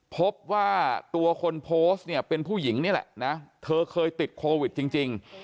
พบว่าตัวคนโพสต์เนี่ยเป็นผู้หญิงนี่แหละนะเธอเคยติดโควิดจริง